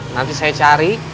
nanti saya cari